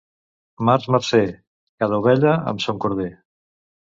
Març marcer, cada ovella amb son corder.